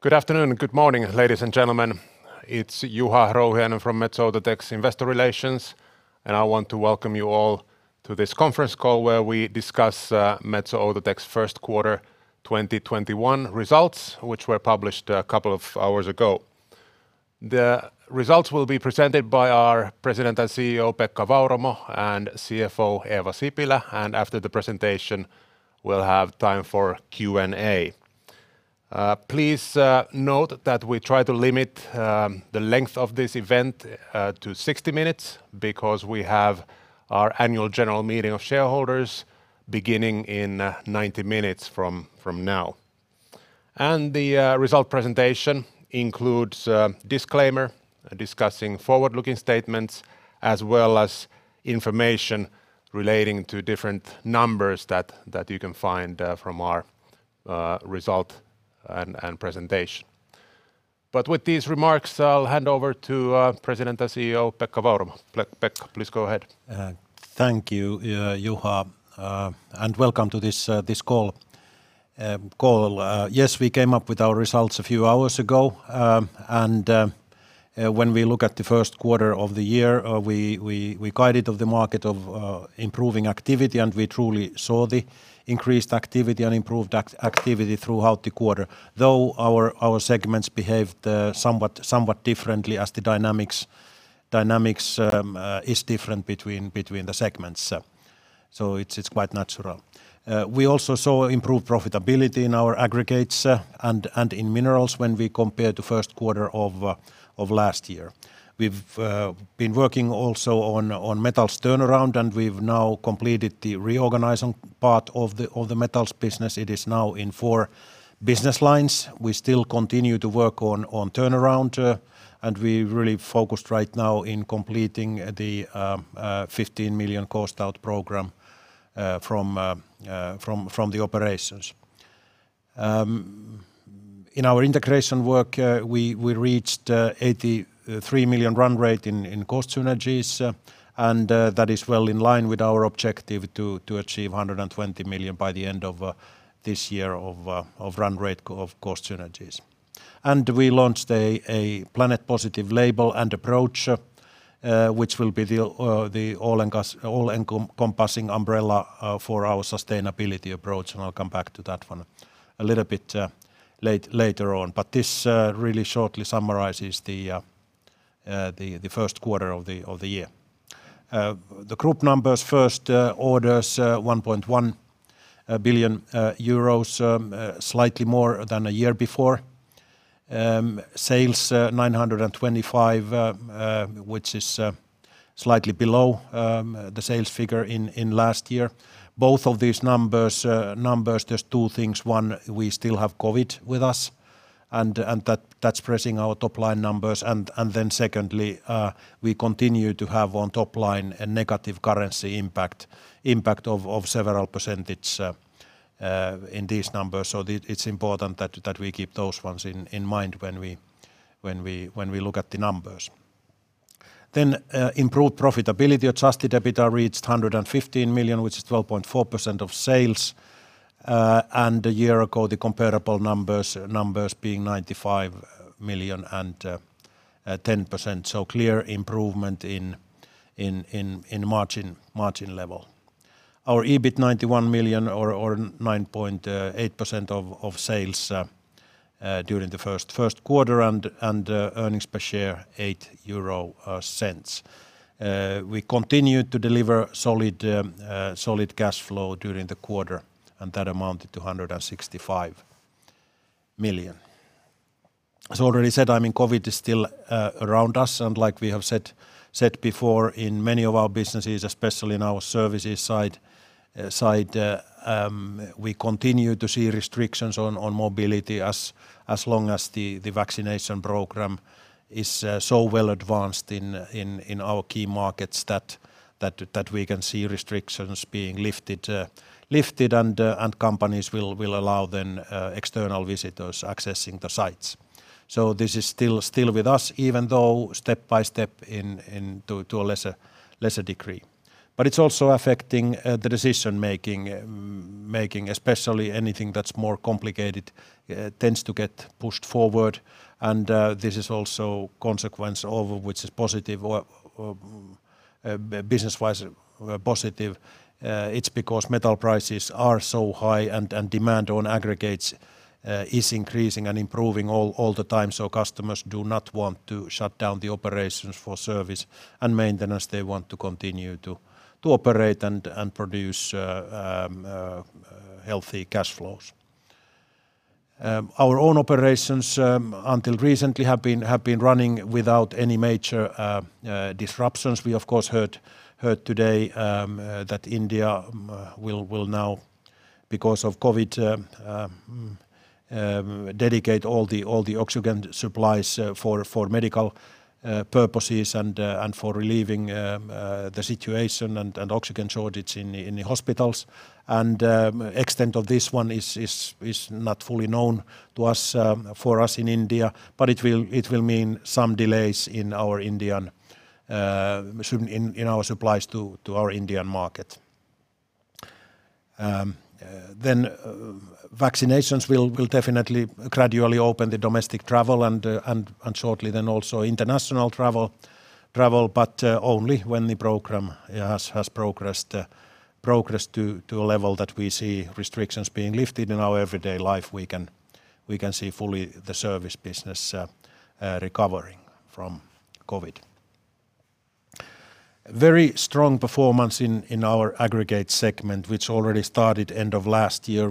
Good afternoon and good morning, ladies and gentlemen. It's Juha Rouhiainen from Metso Outotec's Investor Relations, and I want to welcome you all to this conference call where we discuss Metso Outotec's first quarter 2021 results, which were published a couple of hours ago. The results will be presented by our President and CEO, Pekka Vauramo, and CFO, Eeva Sipilä. After the presentation, we'll have time for Q&A. Please note that we try to limit the length of this event to 60 minutes because we have our annual general meeting of shareholders beginning in 90 minutes from now. The result presentation includes a disclaimer discussing forward-looking statements, as well as information relating to different numbers that you can find from our result and presentation. With these remarks, I'll hand over to President and CEO, Pekka Vauramo. Pekka, please go ahead. Thank you, Juha, and welcome to this call. Yes, we came up with our results a few hours ago. When we look at the first quarter of the year, we guided of the market of improving activity. We truly saw the increased activity and improved activity throughout the quarter, though our segments behaved somewhat differently as the dynamics is different between the segments. It's quite natural. We also saw improved profitability in our aggregates and in minerals when we compare to first quarter of last year. We've been working also on metals turnaround. We've now completed the reorganizing part of the metals business. It is now in four business lines. We still continue to work on turnaround. We really focused right now in completing the 15 million cost out program from the operations. In our integration work, we reached 83 million run rate in cost synergies, that is well in line with our objective to achieve 120 million by the end of this year of run rate of cost synergies. We launched a Planet Positive label and approach, which will be the all-encompassing umbrella for our sustainability approach, I'll come back to that one a little bit later on. This really shortly summarizes the first quarter of the year. The group numbers, first, orders, 1.1 billion euros, slightly more than a year before. Sales, 925, which is slightly below the sales figure in last year. Both of these numbers, there's two things. One, we still have COVID with us, that's pressing our top-line numbers. Secondly, we continue to have on top line a negative currency impact of several % in these numbers. It's important that we keep those ones in mind when we look at the numbers. Improved profitability. Adjusted EBITDA reached 115 million, which is 12.4% of sales. A year ago, the comparable numbers being 95 million and 10%. Clear improvement in margin level. Our EBIT, 91 million or 9.8% of sales during the first quarter, and earnings per share, 0.08. We continued to deliver solid cash flow during the quarter, and that amounted to 165 million. As already said, COVID is still around us, and like we have said before, in many of our businesses, especially in our services side, we continue to see restrictions on mobility as long as the vaccination program is so well advanced in our key markets that we can see restrictions being lifted, and companies will allow then external visitors accessing the sites. This is still with us, even though step by step to a lesser degree. It's also affecting the decision-making, especially anything that's more complicated tends to get pushed forward, and this is also consequence of which is business-wise positive. It's because metal prices are so high and demand on aggregates is increasing and improving all the time. Customers do not want to shut down the operations for service and maintenance. They want to continue to operate and produce healthy cash flows. Our own operations, until recently, have been running without any major disruptions. We, of course, heard today that India will now, because of COVID-19, dedicate all the oxygen supplies for medical purposes and for relieving the situation and oxygen shortage in the hospitals. Extent of this one is not fully known to us for us in India, but it will mean some delays in our supplies to our Indian market. Vaccinations will definitely gradually open the domestic travel and shortly then also international travel, but only when the program has progressed to a level that we see restrictions being lifted in our everyday life, we can see fully the service business recovering from COVID-19. Very strong performance in our aggregate segment, which already started end of last year.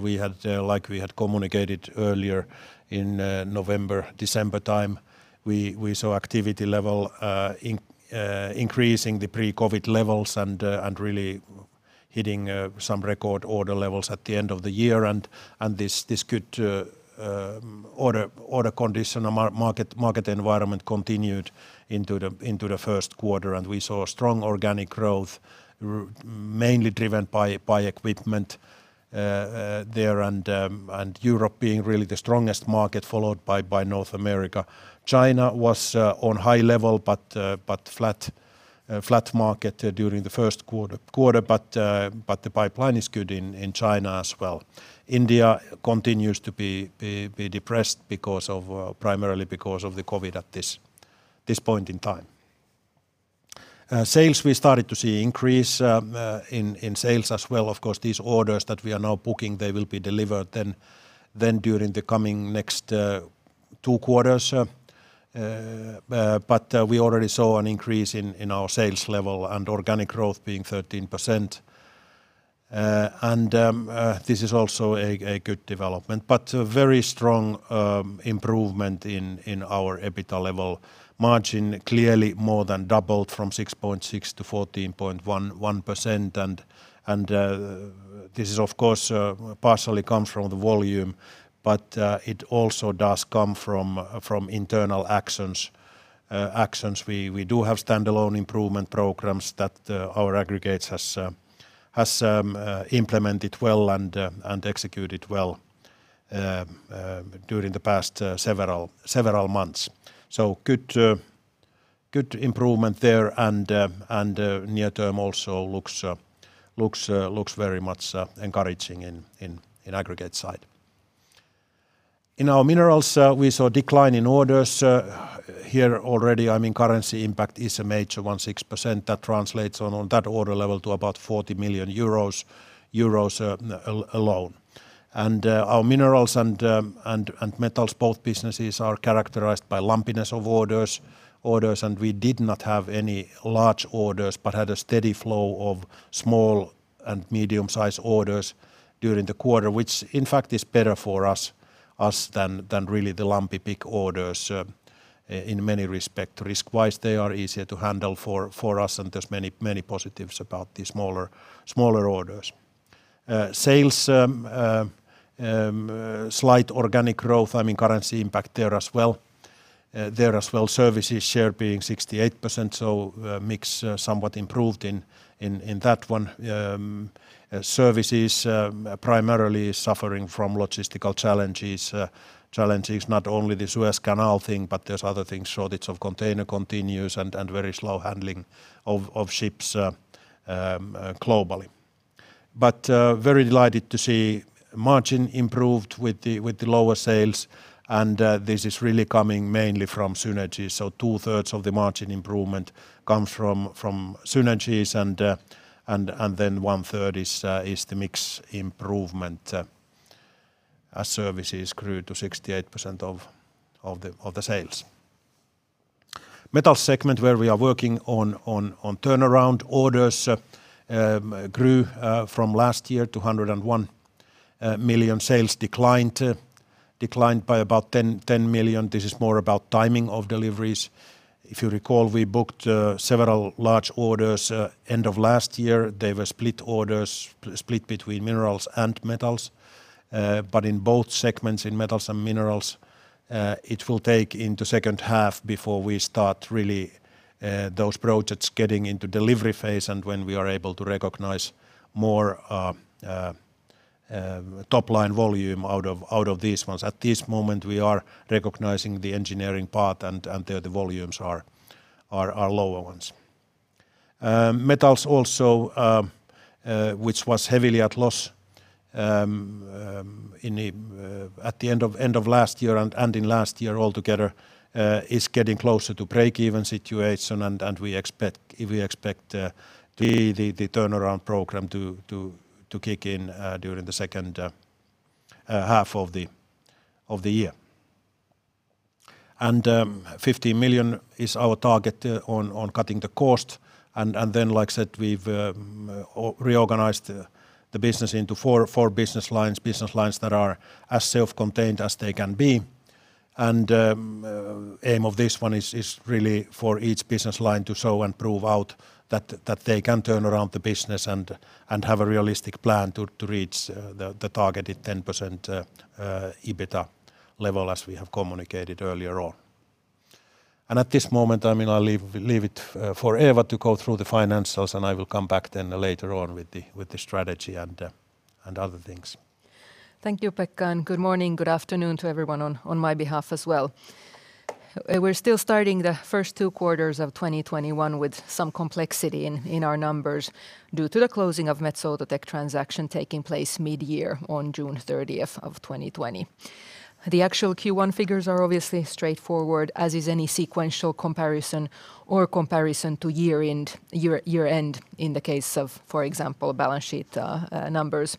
Like we had communicated earlier in November, December time, we saw activity level increasing the pre-COVID-19 levels and really hitting some record order levels at the end of the year. This good order condition and market environment continued into the first quarter. We saw strong organic growth, mainly driven by equipment there and Europe being really the strongest market followed by North America. China was on high level but flat market during the first quarter. The pipeline is good in China as well. India continues to be depressed primarily because of the COVID-19 at this point in time. Sales, we started to see increase in sales as well. Of course, these orders that we are now booking, they will be delivered then during the coming next two quarters. We already saw an increase in our sales level and organic growth being 13%. This is also a good development, but very strong improvement in our EBITDA level margin, clearly more than doubled from 6.6% to 14.1%. This of course, partially comes from the volume, but it also does come from internal actions. We do have standalone improvement programs that our Aggregates has implemented well and executed well during the past several months. Good improvement there and near term also looks very much encouraging in aggregate side. In our Minerals, we saw a decline in orders here already. I mean, currency impact is a major one, 6%, that translates on that order level to about 40 million euros alone. Our Minerals and Metals, both businesses are characterized by lumpiness of orders, and we did not have any large orders, but had a steady flow of small and medium-sized orders during the quarter, which in fact is better for us than really the lumpy big orders in many respect. Risk-wise, they are easier to handle for us, and there is many positives about these smaller orders. Sales, slight organic growth. I mean, currency impact there as well. Services share being 68%. Mix somewhat improved in that one. Services primarily suffering from logistical challenges, not only the Suez Canal thing. There's other things. Shortage of container continues. Very slow handling of ships globally. Very delighted to see margin improved with the lower sales. This is really coming mainly from synergies. Two-thirds of the margin improvement comes from synergies. One-third is the mix improvement as services grew to 68% of the sales. Metals segment where we are working on turnaround orders grew from last year to 101 million. Sales declined by about 10 million. This is more about timing of deliveries. If you recall, we booked several large orders end of last year. They were split orders, split between Minerals and Metals. In both segments, in metals and minerals, it will take into second half before we start really those projects getting into delivery phase and when we are able to recognize more top-line volume out of these ones. At this moment, we are recognizing the engineering part, and there the volumes are lower ones. Metals also, which was heavily at loss at the end of last year and in last year altogether, is getting closer to break-even situation, and we expect the turnaround program to kick in during the second half of the year. 15 million is our target on cutting the cost, and then, like I said, we've reorganized the business into four business lines, business lines that are as self-contained as they can be. Aim of this one is really for each business line to show and prove out that they can turn around the business and have a realistic plan to reach the targeted 10% EBITDA level as we have communicated earlier on. At this moment, I mean, I'll leave it for Eeva to go through the financials, and I will come back later on with the strategy and other things. Thank you, Pekka. Good morning, good afternoon to everyone on my behalf as well. We're still starting the first two quarters of 2021 with some complexity in our numbers due to the closing of Metso Outotec transaction taking place mid-year on June 30, 2020. The actual Q1 figures are obviously straightforward, as is any sequential comparison or comparison to year-end, in the case of, for example, balance sheet numbers.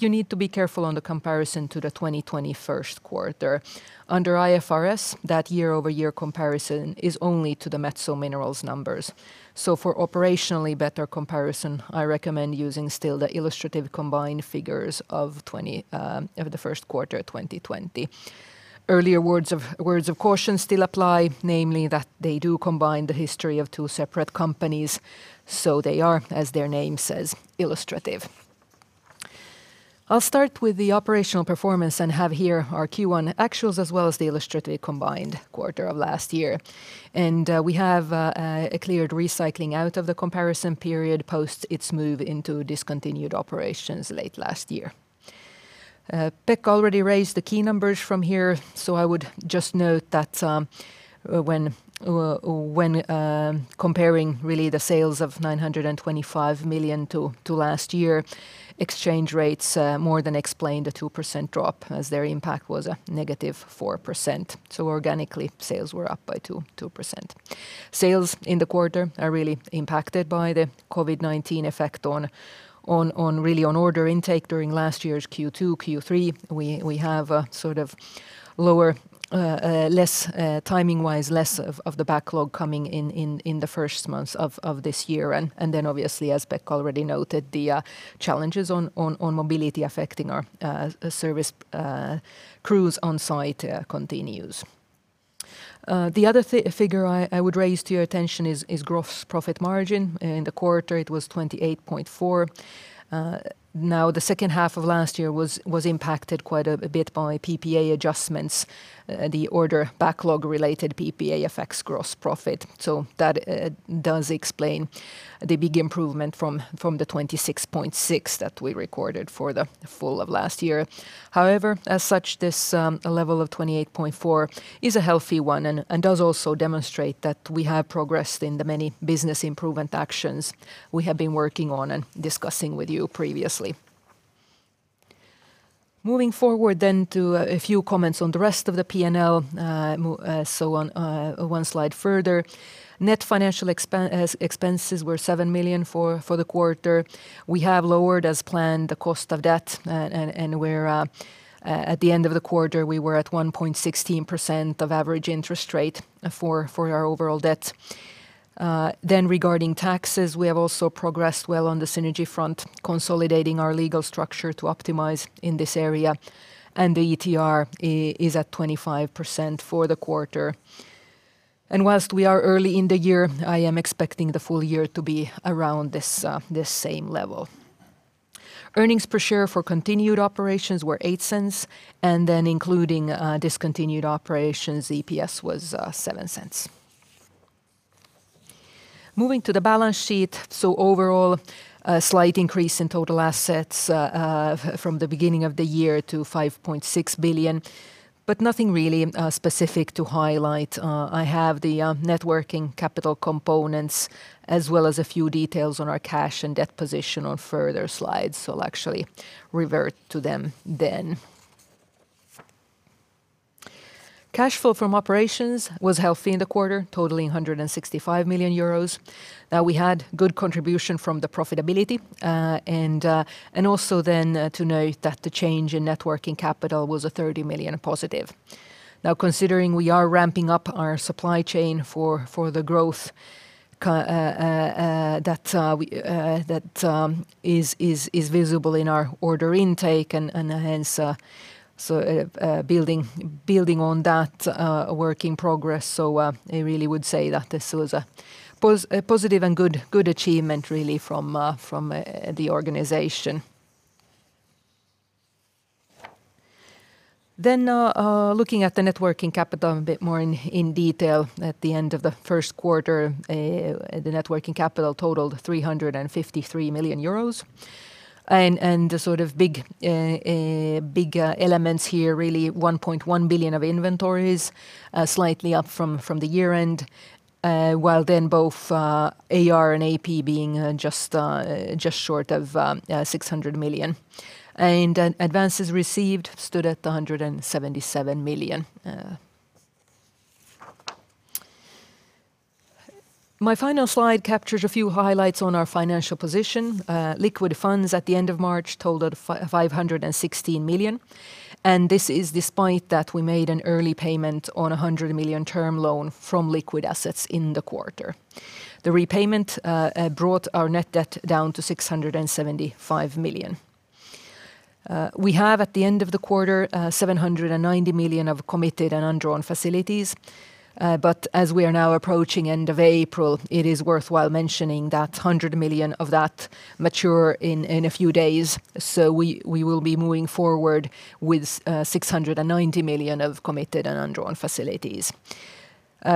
You need to be careful on the comparison to the 2020 first quarter. Under IFRS, that year-over-year comparison is only to the Metso Minerals numbers. For operationally better comparison, I recommend using still the illustrative combined figures of the first quarter 2020. Earlier words of caution still apply, namely that they do combine the history of two separate companies, so they are, as their name says, illustrative. I'll start with the operational performance and have here our Q1 actuals, as well as the illustrative combined quarter of last year. We have a cleared recycling out of the comparison period post its move into discontinued operations late last year. Pek already raised the key numbers from here, so I would just note that when comparing really the sales of 925 million to last year, exchange rates more than explain the 2% drop, as their impact was a negative 4%. Organically, sales were up by 2%. Sales in the quarter are really impacted by the COVID-19 effect on order intake during last year's Q2, Q3. We have timing-wise, less of the backlog coming in the first months of this year. Obviously, as Pek already noted, the challenges on mobility affecting our service crews on site continues. The other figure I would raise to your attention is gross profit margin. In the quarter, it was 28.4%. The second half of last year was impacted quite a bit by PPA adjustments. The order backlog-related PPA affects gross profit, so that does explain the big improvement from the 26.6% that we recorded for the full of last year. As such, this level of 28.4% is a healthy one and does also demonstrate that we have progressed in the many business improvement actions we have been working on and discussing with you previously. Moving forward then to a few comments on the rest of the P&L. On one slide further. Net financial expenses were 7 million for the quarter. We have lowered, as planned, the cost of debt, and at the end of the quarter, we were at 1.16% of average interest rate for our overall debt. Regarding taxes, we have also progressed well on the synergy front, consolidating our legal structure to optimize in this area, and the ETR is at 25% for the quarter. Whilst we are early in the year, I am expecting the full year to be around this same level. Earnings per share for continued operations were 0.08, and including discontinued operations, EPS was 0.07. Moving to the balance sheet. Overall, a slight increase in total assets from the beginning of the year to 5.6 billion, but nothing really specific to highlight. I have the net working capital components as well as a few details on our cash and debt position on further slides. I'll actually revert to them. Cash flow from operations was healthy in the quarter, totaling 165 million euros. We had good contribution from the profitability, and also then to note that the change in net working capital was a 30 million positive. Now considering we are ramping up our supply chain for the growth that is visible in our order intake and hence building on that work in progress, so I really would say that this was a positive and good achievement really from the organization. Looking at the net working capital a bit more in detail. At the end of the first quarter, the net working capital totaled 353 million euros. The sort of big elements here, really 1.1 billion of inventories, slightly up from the year-end. While then both AR and AP being just short of 600 million. Advances received stood at 177 million. My final slide captures a few highlights on our financial position. Liquid funds at the end of March totaled 516 million. This is despite that we made an early payment on 100 million term loan from liquid assets in the quarter. The repayment brought our net debt down to 675 million. We have at the end of the quarter, 790 million of committed and undrawn facilities. As we are now approaching end of April, it is worthwhile mentioning that 100 million of that mature in a few days. We will be moving forward with 690 million of committed and undrawn facilities.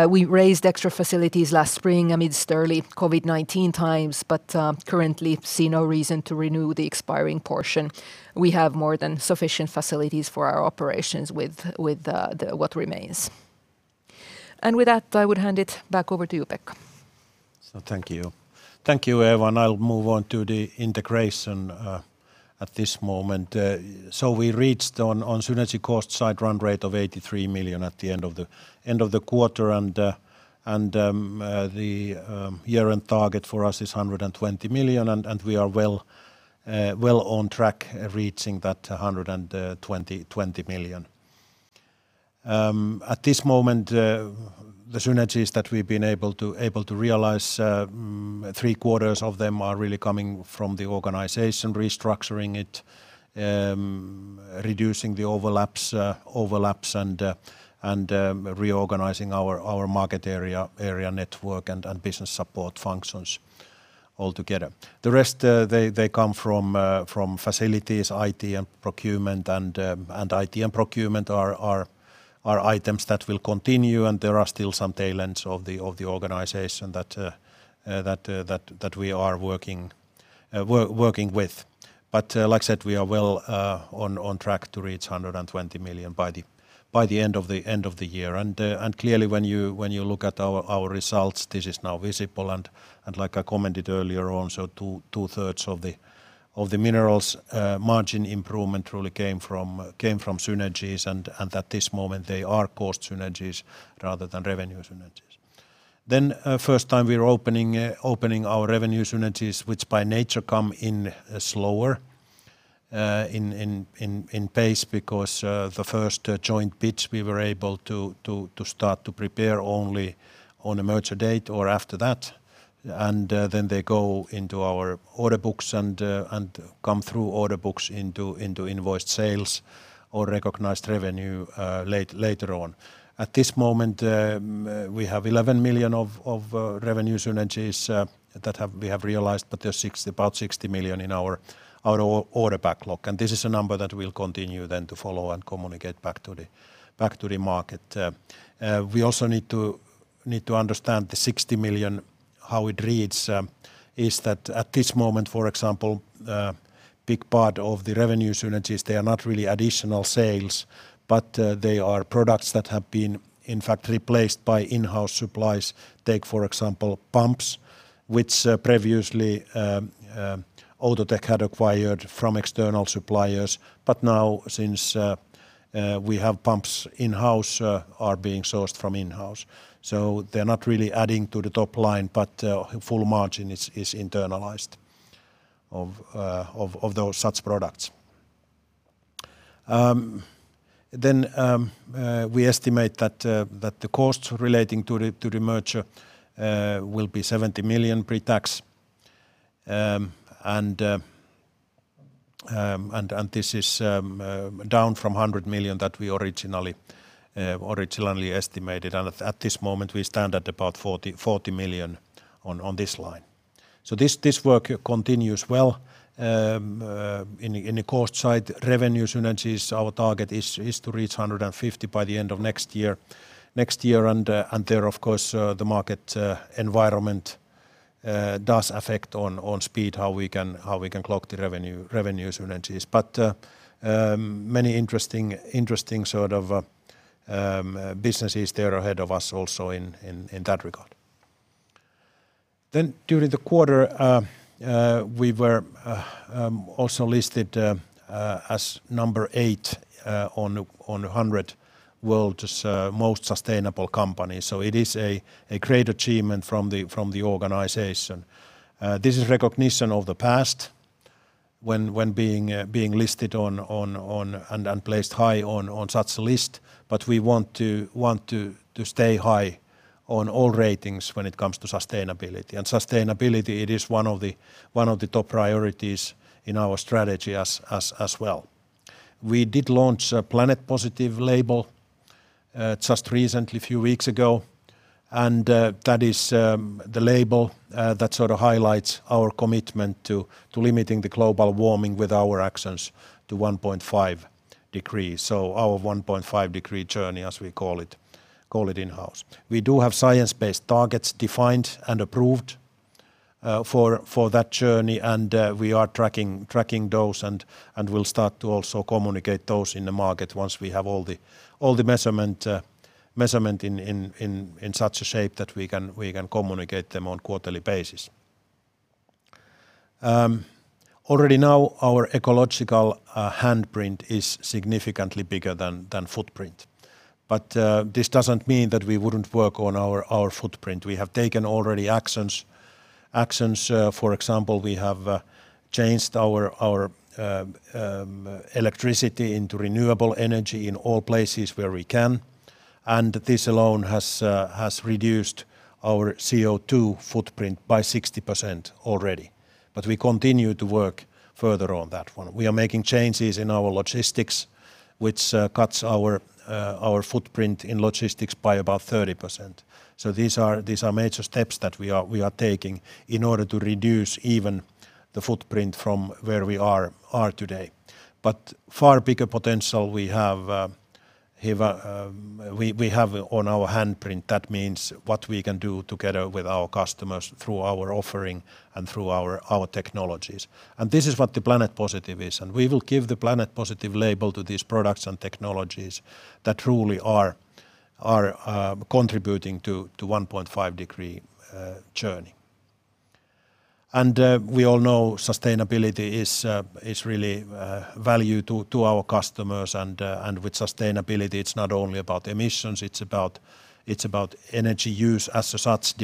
We raised extra facilities last spring amidst early COVID-19 times, but currently see no reason to renew the expiring portion. We have more than sufficient facilities for our operations with what remains. With that, I would hand it back over to you, Pekka. Thank you. Thank you, Eeva. I'll move on to the integration at this moment. We reached on synergy cost side run rate of 83 million at the end of the quarter. The year-end target for us is 120 million. We are well on track reaching that 120 million. At this moment, the synergies that we've been able to realize, three quarters of them are really coming from the organization, restructuring it, reducing the overlaps, and reorganizing our market area network and business support functions altogether. The rest, they come from facilities, IT, and procurement. IT and procurement are items that will continue. There are still some tail ends of the organization that we are working with. Like I said, we are well on track to reach 120 million by the end of the year. Clearly when you look at our results, this is now visible, like I commented earlier on, two-thirds of the minerals margin improvement really came from synergies, and at this moment, they are cost synergies rather than revenue synergies. First time we are opening our revenue synergies, which by nature come in slower in pace because the first joint bids we were able to start to prepare only on a merger date or after that. They go into our order books and come through order books into invoiced sales or recognized revenue later on. At this moment, we have 11 million of revenue synergies that we have realized, but there's about 60 million in our order backlog, and this is a number that we'll continue then to follow and communicate back to the market. We also need to understand the 60 million, how it reads is that at this moment, for example, a big part of the revenue synergies, they are not really additional sales, but they are products that have been in fact replaced by in-house supplies. Take, for example, pumps, which previously Outotec had acquired from external suppliers, but now since we have pumps in-house, are being sourced from in-house. They're not really adding to the top line, but full margin is internalized of such products. We estimate that the costs relating to the merger will be 70 million pre-tax. This is down from 100 million that we originally estimated, and at this moment, we stand at about 40 million on this line. This work continues well. In the cost side revenue synergies, our target is to reach 150 million by the end of next year. There, of course, the market environment does affect on speed how we can clock the revenue synergies. Many interesting sort of businesses there ahead of us also in that regard. During the quarter, we were also listed as number eight on the 100 World's Most Sustainable Companies, so it is a great achievement from the organization. This is recognition of the past when being listed on and placed high on such list, but we want to stay high on all ratings when it comes to sustainability. Sustainability, it is one of the top priorities in our strategy as well. We did launch a Planet Positive label just recently, a few weeks ago, and that is the label that sort of highlights our commitment to limiting the global warming with our actions to 1.5 degrees. Our 1.5-degree journey, as we call it in-house. We do have science-based targets defined and approved for that journey, and we are tracking those and we'll start to also communicate those in the market once we have all the measurement in such a shape that we can communicate them on quarterly basis. Already now, our ecological handprint is significantly bigger than footprint. This doesn't mean that we wouldn't work on our footprint. We have taken already actions. For example, we have changed our electricity into renewable energy in all places where we can, and this alone has reduced our CO2 footprint by 60% already. We continue to work further on that one. We are making changes in our logistics, which cuts our footprint in logistics by about 30%. These are major steps that we are taking in order to reduce even the footprint from where we are today. Far bigger potential we have on our handprint. That means what we can do together with our customers through our offering and through our technologies. This is what the Planet Positive is, and we will give the Planet Positive label to these products and technologies that truly are contributing to 1.5-degree journey. We all know sustainability is really a value to our customers. With sustainability, it's not only about emissions, it's about energy use as such,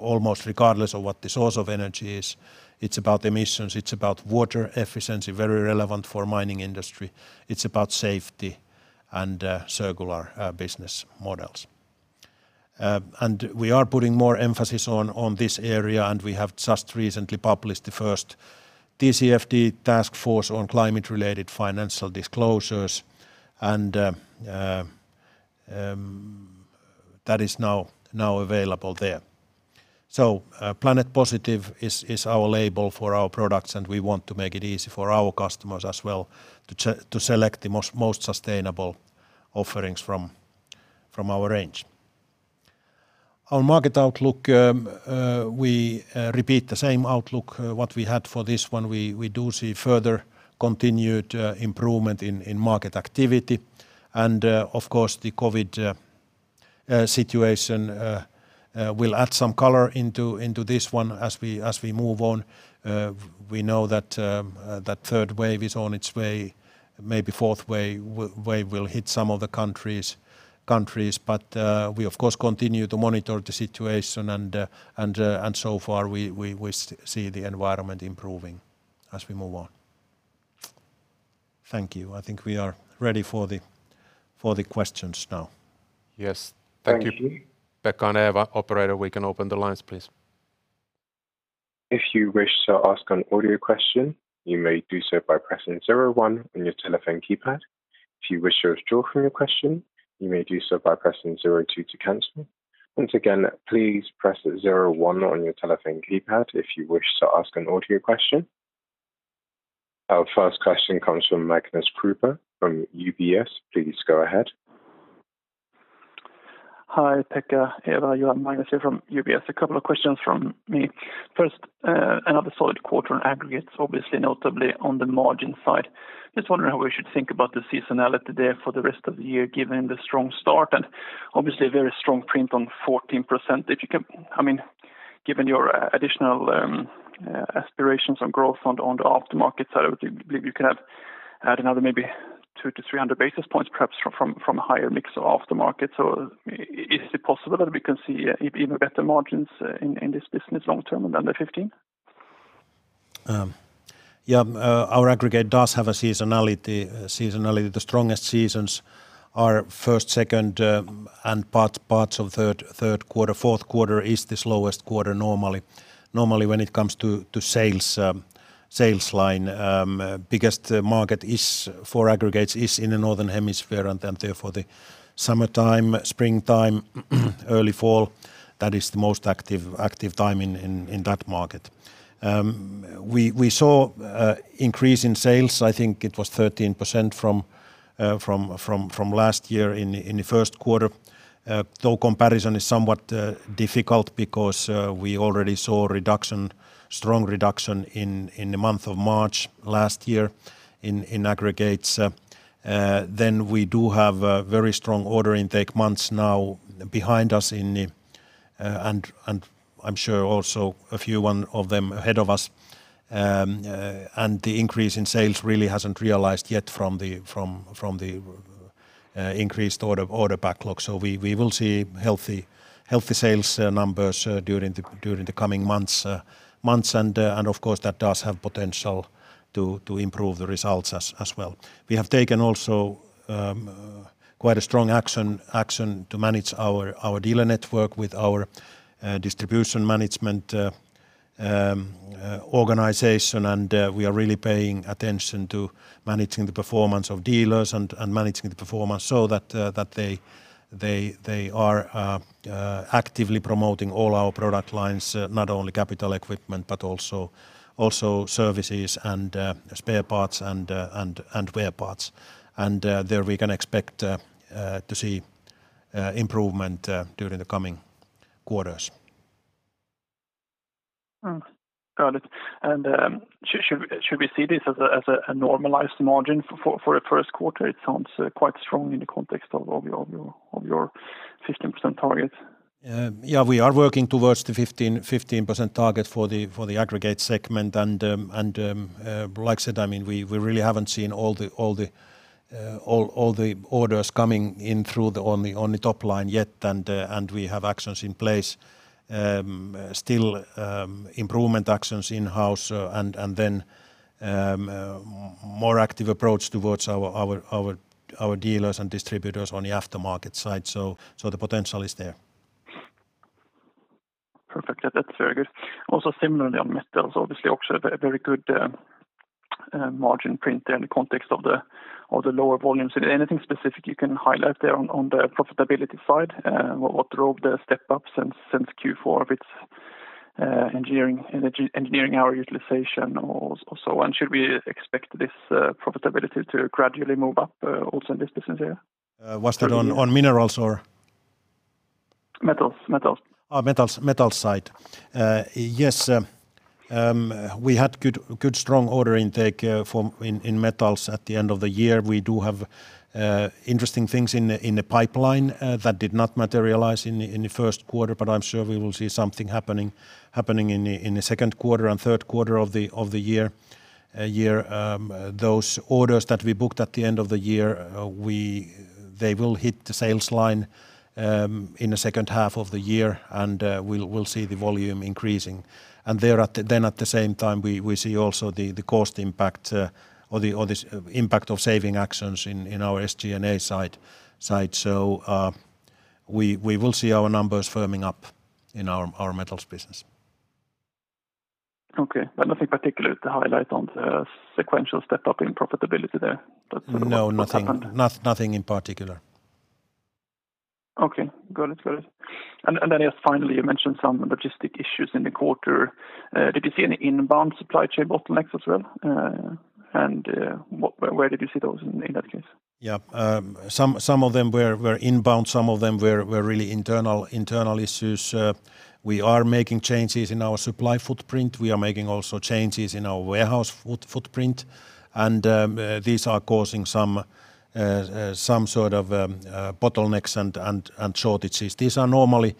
almost regardless of what the source of energy is. It's about emissions, it's about water efficiency, very relevant for mining industry. It's about safety and circular business models. We are putting more emphasis on this area, and we have just recently published the first TCFD task force on climate-related financial disclosures, and that is now available there. Planet Positive is our label for our products, and we want to make it easy for our customers as well to select the most sustainable offerings from our range. On market outlook, we repeat the same outlook what we had for this one. We do see further continued improvement in market activity. Of course, the COVID situation will add some color into this one as we move on. We know that third wave is on its way, maybe fourth wave will hit some of the countries. We, of course, continue to monitor the situation, and so far, we see the environment improving as we move on. Thank you. I think we are ready for the questions now. Yes. Thank you. Thank you. Pekka and Eeva. Operator, we can open the lines, please. If you wish to ask an audio question, you may do so by pressing zero one on your telephone keypad if you wish. There was drawing a question you may do so, bypassing 02 to cancel. And again, please press the zero one on your telephone keypad if you wish to ask an audio question. Our first question comes from Magnus Kruber from UBS. Please go ahead. Hi, Pekka, Eeva. You have Magnus here from UBS. A couple of questions from me. First, another solid quarter on aggregates, obviously, notably on the margin side. Just wondering how we should think about the seasonality there for the rest of the year, given the strong start and obviously a very strong print on 14%. Given your additional aspirations on growth on the aftermarket side, I believe you can add another maybe 2 to 300 basis points, perhaps from a higher mix of aftermarket. Is it possible that we can see even better margins in this business long term and under 15%? Yeah. Our aggregate does have a seasonality. The strongest seasons are first, second, and parts of third quarter. Fourth quarter is the slowest quarter normally when it comes to sales line. Biggest market for aggregates is in the Northern Hemisphere, and therefore the summertime, springtime, early fall, that is the most active time in that market. We saw increase in sales. I think it was 13% from last year in the first quarter, though comparison is somewhat difficult because we already saw strong reduction in the month of March last year in aggregates. We do have very strong order intake months now behind us. I'm sure also a few one of them ahead of us. The increase in sales really hasn't realized yet from the increased order backlog. We will see healthy sales numbers during the coming months. Of course, that does have potential to improve the results as well. We have taken also quite a strong action to manage our dealer network with our distribution management organization, and we are really paying attention to managing the performance of dealers and managing the performance so that they are actively promoting all our product lines, not only capital equipment, but also services and spare parts and wear parts. There we can expect to see improvement during the coming quarters. Got it. Should we see this as a normalized margin for a first quarter? It sounds quite strong in the context of your 15% target. Yeah. We are working towards the 15% target for the aggregate segment. Like I said, we really haven't seen all the orders coming in through on the top line yet. We have actions in place still, improvement actions in-house, and then more active approach towards our dealers and distributors on the aftermarket side. The potential is there. Perfect. Yeah, that's very good. Similarly on metals, obviously also a very good margin print there in the context of the lower volumes. Anything specific you can highlight there on the profitability side? What drove the step-up since Q4? If it's engineering hour utilization or so on. Should we expect this profitability to gradually move up also in this business here? Was that on minerals or? Metals. Metals side. Yes. We had good strong order intake in metals at the end of the year. We do have interesting things in the pipeline that did not materialize in the first quarter. I'm sure we will see something happening in the second quarter and third quarter of the year. Those orders that we booked at the end of the year, they will hit the sales line in the second half of the year. We'll see the volume increasing. At the same time, we see also the cost impact or the impact of saving actions in our SG &A side. We will see our numbers firming up in our metals business. Okay. Nothing particular to highlight on the sequential step-up in profitability there. No, nothing. What's happened? Nothing in particular. Okay, got it. Just finally, you mentioned some logistic issues in the quarter. Did you see any inbound supply chain bottlenecks as well? Where did you see those in that case? Yeah. Some of them were inbound, some of them were really internal issues. We are making changes in our supply footprint. We are making also changes in our warehouse footprint. These are causing some sort of bottlenecks and shortages. These are normally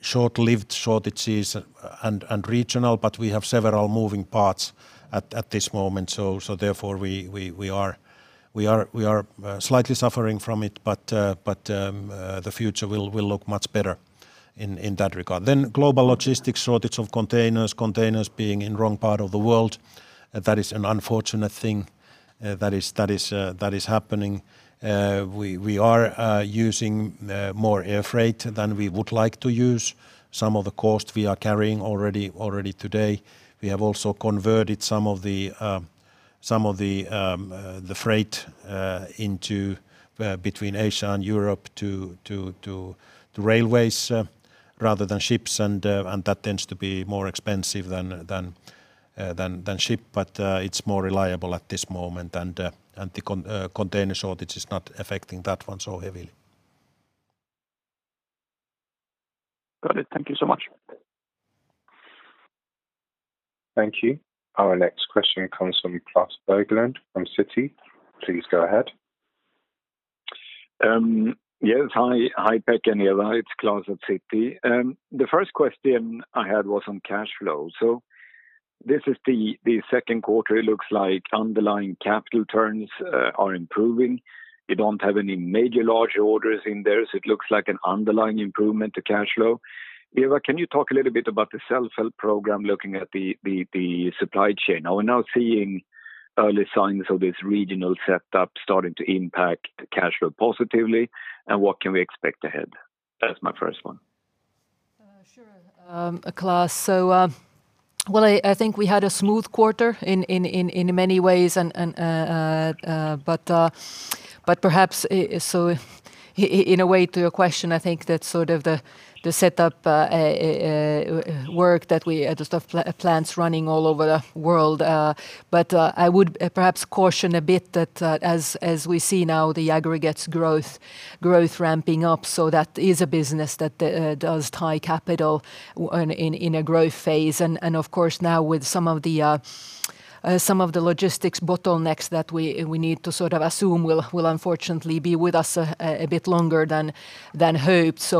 short-lived shortages and regional, but we have several moving parts at this moment. Therefore we are slightly suffering from it, but the future will look much better in that regard. Global logistics shortage of containers being in wrong part of the world, that is an unfortunate thing that is happening. We are using more air freight than we would like to use. Some of the cost we are carrying already today. We have also converted some of the freight between Asia and Europe to railways rather than ships, and that tends to be more expensive than ship, but it's more reliable at this moment, and the container shortage is not affecting that one so heavily. Got it. Thank you so much. Thank you. Our next question comes from Klas Bergelind from Citi. Please go ahead. Yes. Hi, Pekka and Eeva. It's Klas at Citi. This is the second quarter. It looks like underlying capital turns are improving. You don't have any major large orders in there, so it looks like an underlying improvement to cash flow. Eeva, can you talk a little about the self-help program, looking at the supply chain? Are we now seeing early signs of this regional setup starting to impact the cash flow positively, and what can we expect ahead? That's my first one. Sure, Klas. I think we had a smooth quarter in many ways. Perhaps, in a way to your question, I think that the setup work that we have plants running all over the world. I would perhaps caution a bit that as we see now the aggregates growth ramping up, so that is a business that does tie capital in a growth phase, and of course now with some of the logistics bottlenecks that we need to assume will unfortunately be with us a bit longer than hoped.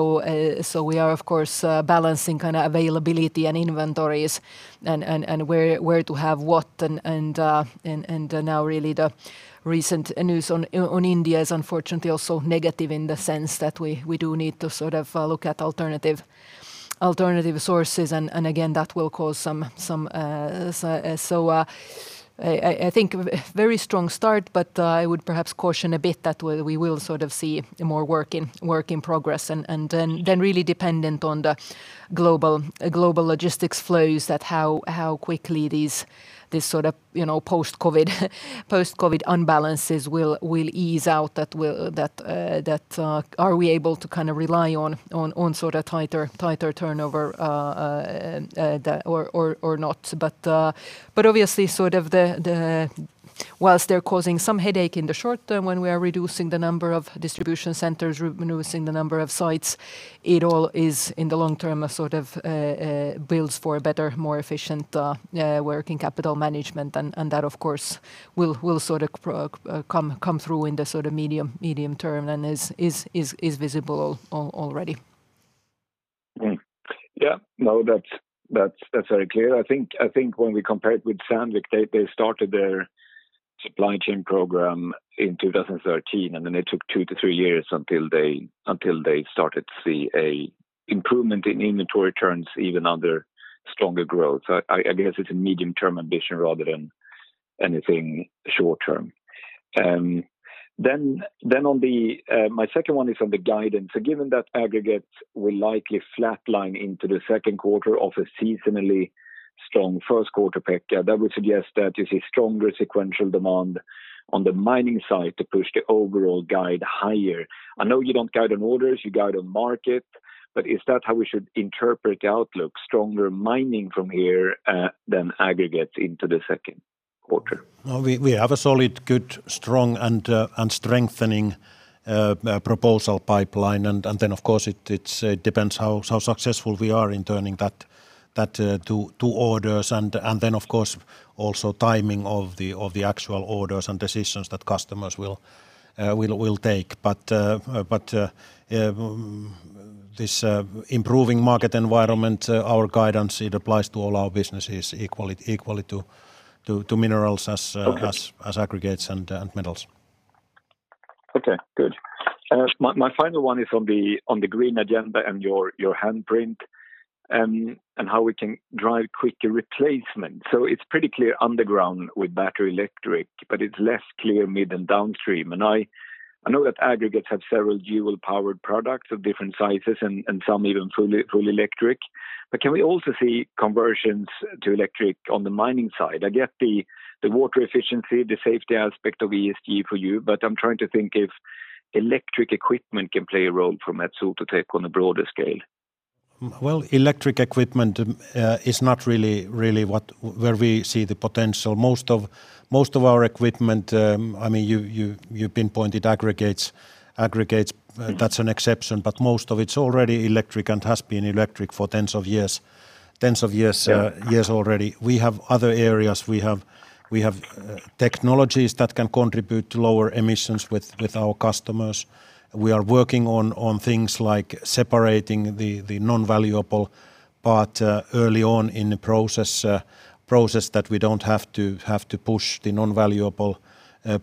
We are of course balancing availability and inventories and where to have what, and now really the recent news on India is unfortunately also negative in the sense that we do need to look at alternative sources and again, that will cause. I think very strong start, but I would perhaps caution a bit that we will see more work in progress, and then really dependent on the global logistics flows that how quickly these post-COVID-19 unbalances will ease out that are we able to rely on tighter turnover or not. Obviously, whilst they're causing some headache in the short term, when we are reducing the number of distribution centers, reducing the number of sites, it all is in the long term builds for a better, more efficient working capital management, and that of course will come through in the medium term and is visible already. Yeah. No, that's very clear. I think when we compare it with Sandvik, they started their supply chain program in 2013, and then it took two to three years until they started to see improvement in inventory turns even under stronger growth. I guess it's a medium-term ambition rather than anything short term. My second one is on the guidance. Given that aggregates will likely flatline into the second quarter of a seasonally strong first quarter, Pekka, that would suggest that you see stronger sequential demand on the mining side to push the overall guide higher. I know you don't guide on orders, you guide on market, is that how we should interpret the outlook? Stronger mining from here than aggregates into the second? Good. We have a solid, good, strong and strengthening proposal pipeline. Of course, it depends how successful we are in turning that to orders and then, of course, also timing of the actual orders and decisions that customers will take. This improving market environment, our guidance, it applies to all our businesses equally to Minerals as Aggregates and Metals. Okay, good. My final one is on the green agenda and your handprint and how we can drive quicker replacement. It's pretty clear underground with battery electric, but it's less clear mid and downstream. I know that aggregates have several dual powered products of different sizes and some even fully electric. Can we also see conversions to electric on the mining side? I get the water efficiency, the safety aspect of ESG for you, but I'm trying to think if electric equipment can play a role for Metso to take on a broader scale. Well, electric equipment is not really where we see the potential. Most of our equipment, you pinpointed aggregates. Aggregates, that's an exception, but most of it's already electric and has been electric for tens of years already. We have other areas. We have technologies that can contribute to lower emissions with our customers. We are working on things like separating the non-valuable part early on in the process, that we don't have to push the non-valuable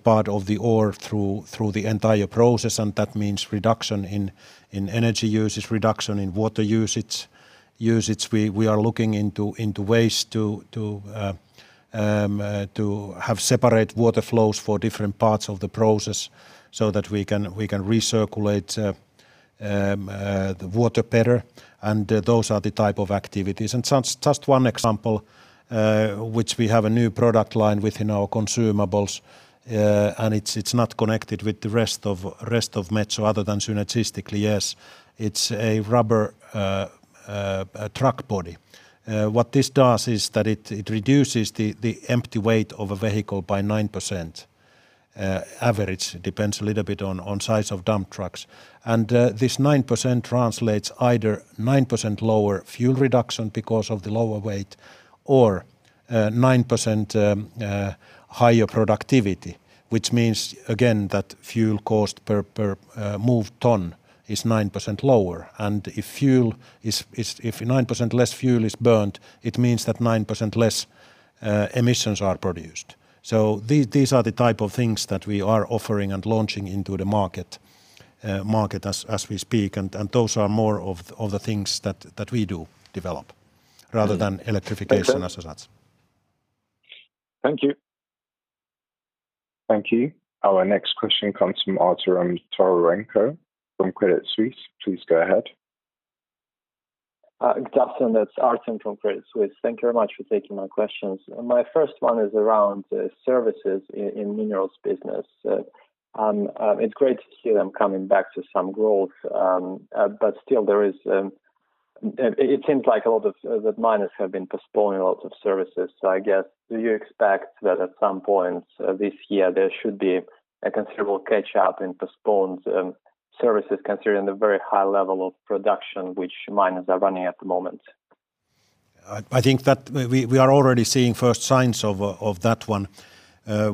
part of the ore through the entire process, and that means reduction in energy usage, reduction in water usage. We are looking into ways to have separate water flows for different parts of the process so that we can recirculate the water better, and those are the type of activities. Just one example, which we have a new product line within our consumables, and it's not connected with the rest of Metso other than synergistically, yes. It's a rubber truck body. What this does is that it reduces the empty weight of a vehicle by 9% average. Depends a little bit on size of dump trucks. This 9% translates either 9% lower fuel reduction because of the lower weight or 9% higher productivity. Which means, again, that fuel cost per moved ton is 9% lower. If 9% less fuel is burned, it means that 9% less emissions are produced. These are the type of things that we are offering and launching into the market as we speak, and those are more of the things that we do develop rather than electrification as such. Thank you. Thank you. Our next question comes from Artem Tokarenko from Credit Suisse. Please go ahead. Justin, it's Artem from Credit Suisse. Thank you very much for taking my questions. My first one is around services in minerals business. It's great to hear them coming back to some growth, but still it seems like a lot of the miners have been postponing a lot of services. I guess, do you expect that at some point this year there should be a considerable catch up in postponed services considering the very high level of production which miners are running at the moment? I think that we are already seeing first signs of that one. Where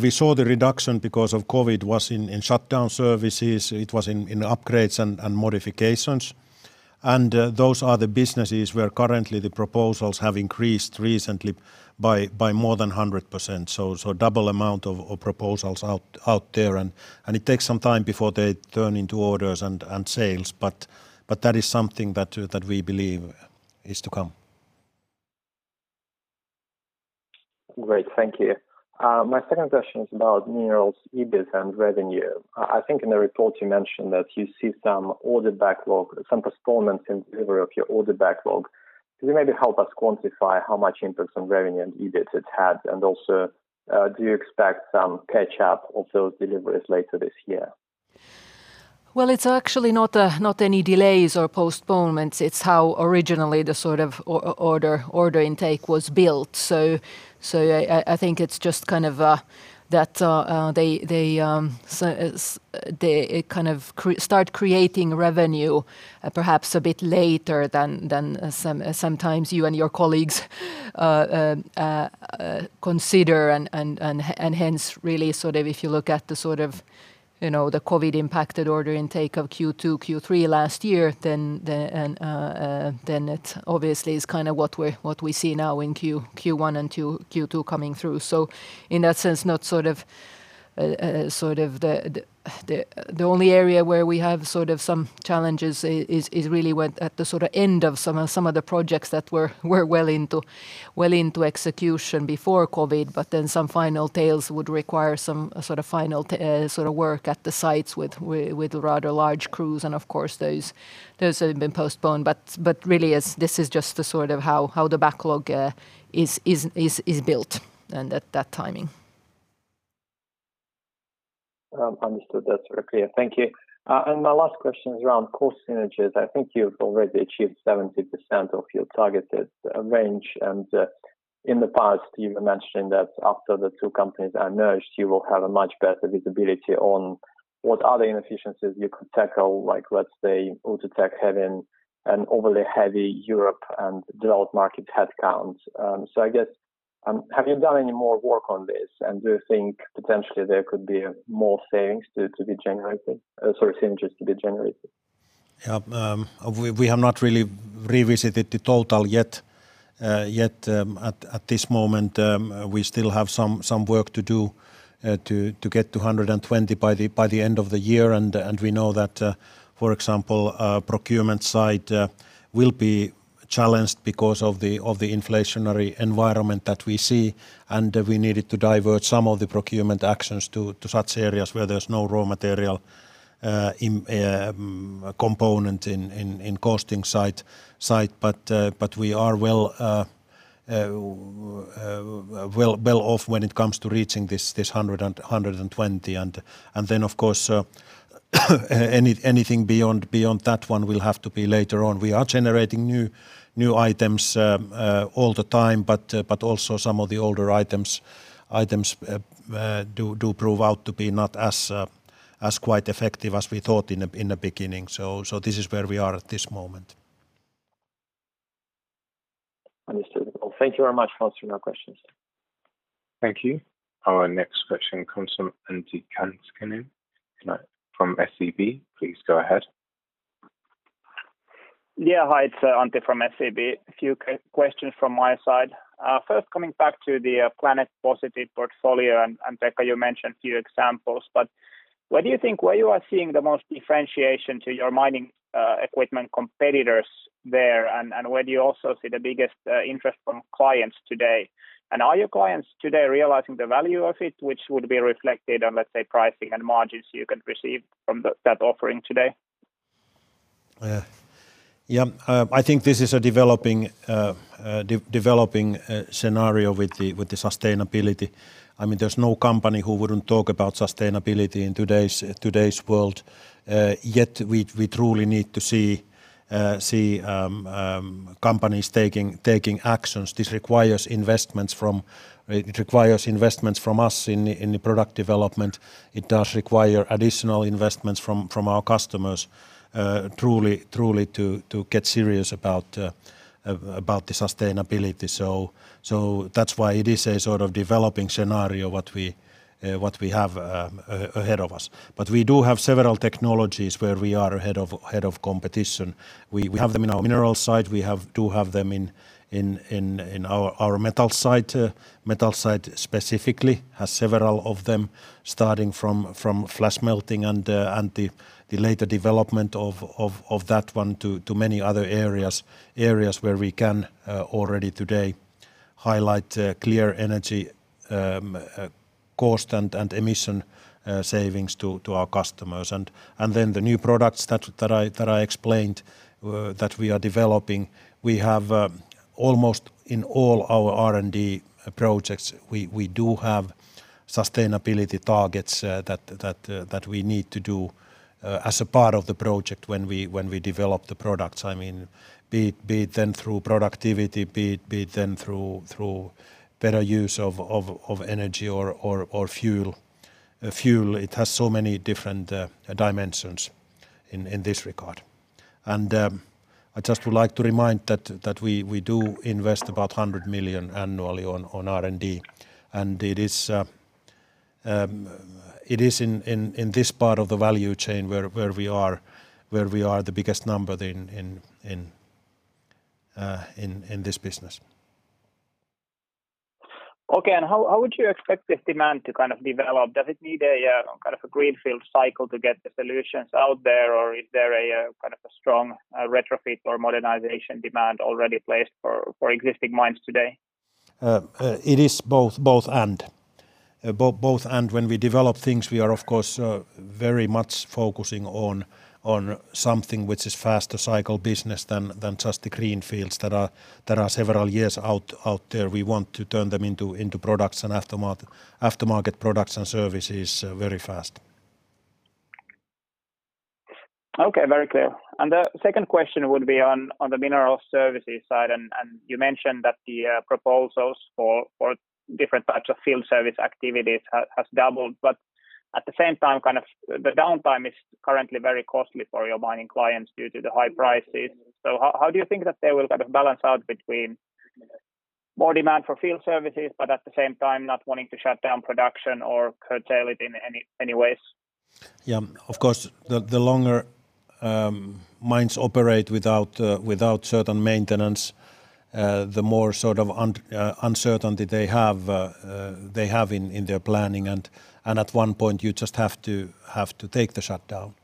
we saw the reduction because of COVID-19 was in shutdown services, it was in upgrades and modifications. Those are the businesses where currently the proposals have increased recently by more than 100%. Double amount of proposals out there and it takes some time before they turn into orders and sales. That is something that we believe is to come. Great. Thank you. My second question is about Minerals EBIT and revenue. I think in the report you mentioned that you see some order backlog, some postponements in delivery of your order backlog. Could you maybe help us quantify how much impact on revenue and EBIT it's had? Also, do you expect some catch up of those deliveries later this year? It's actually not any delays or postponements. It's how originally the order intake was built. I think it's just that they start creating revenue perhaps a bit later than sometimes you and your colleagues consider and hence really if you look at the COVID-19 impacted order intake of Q2, Q3 last year, then it obviously is what we see now in Q1 and Q2 coming through. In that sense, the only area where we have some challenges is really at the end of some of the projects that were well into execution before COVID-19, but then some final tails would require some final work at the sites with rather large crews and of course those have been postponed. Really this is just how the backlog is built and that timing. Understood. That's very clear. Thank you. My last question is around cost synergies. I think you've already achieved 70% of your targeted range. In the past, you were mentioning that after the two companies are merged, you will have a much better visibility on what other inefficiencies you could tackle, like let's say, Outotec having an overly heavy Europe and developed market headcounts. Have you done any more work on this, and do you think potentially there could be more synergies to be generated? We have not really revisited the total yet. At this moment, we still have some work to do to get to EUR 120 million by the end of the year. We know that, for example, procurement side will be challenged because of the inflationary environment that we see, and we needed to divert some of the procurement actions to such areas where there's no raw material component in costing side. We are well off when it comes to reaching this 120 million. Of course, anything beyond that one will have to be later on. We are generating new items all the time, but also some of the older items do prove out to be not as quite effective as we thought in the beginning. This is where we are at this moment. Understood. Thank you very much for answering our questions. Thank you. Our next question comes from Antti Kansanen from SEB. Please go ahead. Yeah. Hi, it's Antti from SEB. A few questions from my side. First, coming back to the Planet Positive portfolio, Pekka, you mentioned a few examples, but where you are seeing the most differentiation to your mining equipment competitors there, and where do you also see the biggest interest from clients today? Are your clients today realizing the value of it, which would be reflected on, let's say, pricing and margins you can receive from that offering today? Yeah. I think this is a developing scenario with the sustainability. There's no company who wouldn't talk about sustainability in today's world. Yet, we truly need to see companies taking actions. This requires investments from us in the product development. It does require additional investments from our customers truly to get serious about the sustainability. That's why it is a sort of developing scenario what we have ahead of us. We do have several technologies where we are ahead of competition. We have them in our mineral site. We do have them in our metal site. Metal site specifically has several of them, starting from Flash Smelting and the later development of that one to many other areas, where we can already today highlight clear energy cost and emission savings to our customers. The new products that I explained that we are developing, almost in all our R&D projects, we do have sustainability targets that we need to do as a part of the project when we develop the products. Be it through productivity, be it through better use of energy or fuel. It has so many different dimensions in this regard. I just would like to remind that we do invest about 100 million annually on R&D, and it is in this part of the value chain where we are the biggest number in this business. Okay. How would you expect this demand to kind of develop? Does it need a kind of a greenfield cycle to get the solutions out there, or is there a kind of a strong retrofit or modernization demand already placed for existing mines today? It is both and. When we develop things, we are, of course, very much focusing on something which is faster cycle business than just the greenfields that are several years out there. We want to turn them into products and aftermarket products and services very fast. Okay. Very clear. The second question would be on the mineral services side. You mentioned that the proposals for different types of field service activities has doubled, but at the same time, the downtime is currently very costly for your mining clients due to the high prices. How do you think that they will kind of balance out between more demand for field services, but at the same time, not wanting to shut down production or curtail it in any ways? Yeah. Of course, the longer mines operate without certain maintenance, the more uncertainty they have in their planning, and at one point you just have to take the shutdown.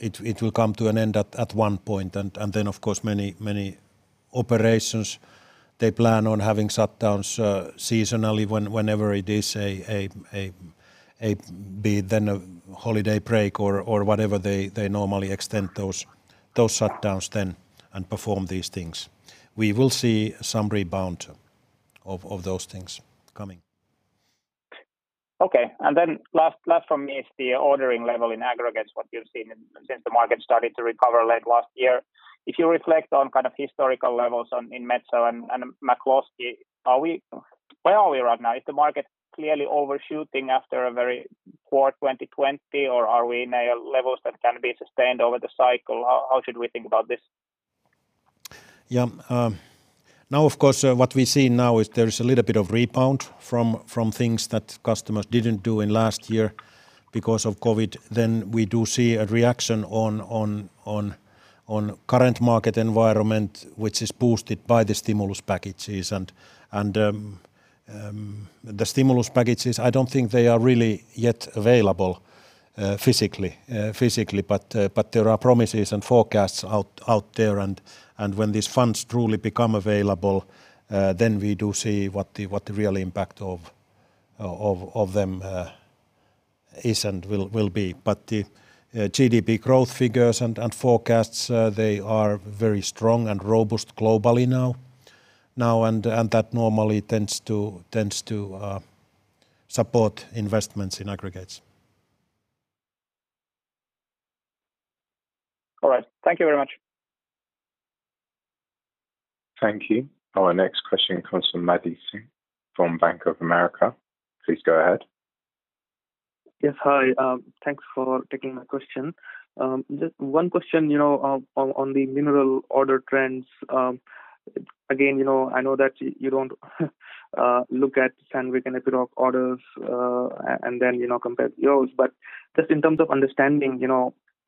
It will come to an end at one point. Of course, many operations, they plan on having shutdowns seasonally whenever it is, be it then a holiday break or whatever they normally extend those shutdowns then and perform these things. We will see some rebound of those things coming. Okay. Last from me is the ordering level in aggregates, what you've seen since the market started to recover late last year. If you reflect on historical levels in Metso and McCloskey, where are we right now? Is the market clearly overshooting after a very poor 2020, or are we now at levels that can be sustained over the cycle? How should we think about this? What we see now is there is a little bit of rebound from things that customers didn't do in last year because of COVID-19. We do see a reaction on current market environment, which is boosted by the stimulus packages. The stimulus packages, I don't think they are really yet available physically. There are promises and forecasts out there. When these funds truly become available, we do see what the real impact of them is and will be. The GDP growth figures and forecasts, they are very strong and robust globally now. That normally tends to support investments in aggregates. All right. Thank you very much. Thank you. Our next question comes from Madhu Singh from Bank of America. Please go ahead. Yes, hi. Thanks for taking my question. Just one question on the mineral order trends. Again, I know that you don't look at Sandvik and Epiroc orders and then compare to yours. Just in terms of understanding,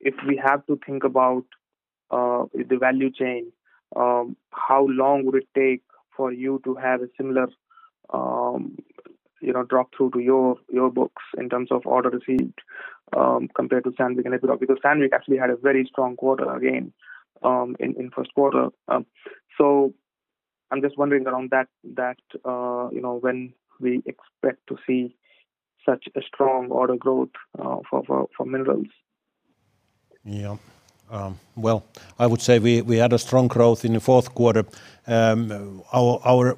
if we have to think about the value chain, how long would it take for you to have a similar drop-through to your books in terms of order receipt compared to Sandvik and Epiroc? Sandvik actually had a very strong quarter again in first quarter. I'm just wondering around that when we expect to see such a strong order growth for minerals. Yeah. Well, I would say we had a strong growth in the fourth quarter. Our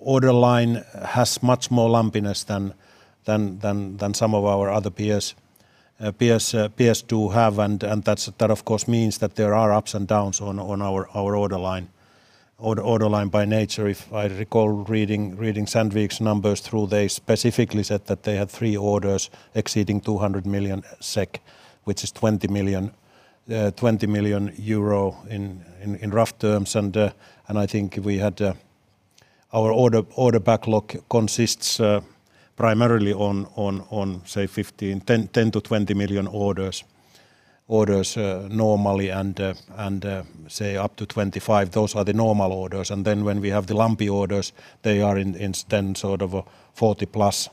order line has much more lumpiness than some of our other peers do have, and that of course means that there are ups and downs on our order line by nature. If I recall reading Sandvik's numbers through, they specifically said that they had three orders exceeding 200 million SEK, which is 20 million euro in rough terms. I think our order backlog consists primarily on, say, 10 million-20 million orders normally, and say up to 25. Those are the normal orders. Then when we have the lumpy orders, they are instead sort of a 40-plus million orders. The profile is different, a smaller number of orders, a bit more lumpy. Typically, in terms